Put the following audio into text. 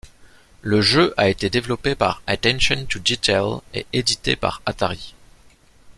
Le jeu a été développé par Attention to Detail et édité par Atari.